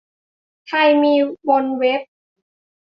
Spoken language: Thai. ไทยมีแล้วบนเว็บ